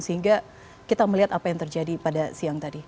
sehingga kita melihat apa yang terjadi pada siang tadi